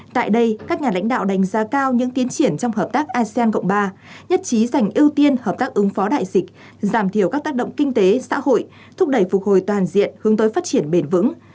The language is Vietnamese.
tại đây các nhà lãnh đạo đánh giá cao những tiến triển trong hợp tác asean cộng ba